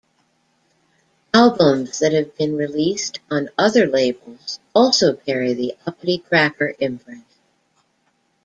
Albums that have been released on other labels also carry the Uppity Cracker imprint.